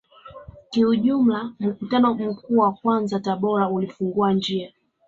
Kiujumla mkutano mkuu wa kwanza Tabora ulifungua njia